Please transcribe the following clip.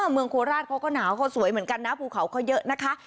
เมืองโคราชเขาก็หนาวเขาสวยเหมือนกันนะภูเขาเขาเยอะนะคะ